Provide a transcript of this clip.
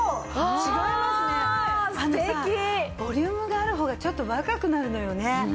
あのさボリュームがある方がちょっと若くなるのよね。